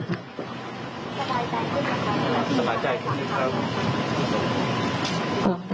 ก็ตอนนี้ก็ใช่มั่นแหละค่ะ